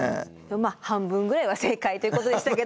まあ半分ぐらいは正解ということでしたけど。